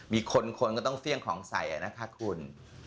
มีคนคนก็ต้องเฟี่ยงของใส่นะคะคุณ